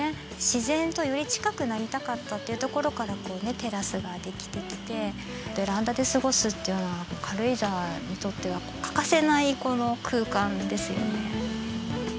自然とより近くなりたかったっていうところからこうテラスができてきてベランダで過ごすっていうのは軽井沢にとっては欠かせないこの空間ですよね